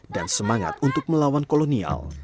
dan semangat untuk melawan kolonial